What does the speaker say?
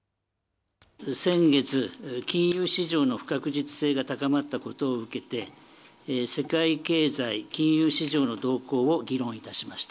先月、金融市場の不確実性が高まったことを受けて、世界経済、金融市場の動向を議論いたしました。